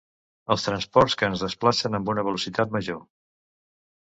Els transports que ens desplacen amb una velocitat major.